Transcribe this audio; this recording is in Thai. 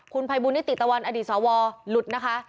ภัยบุญนิติตะวันอดีตสวหลุดนะคะ